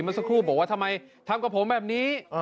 เมื่อสักครู่บอกว่าทำไมทำกับผมแบบนี้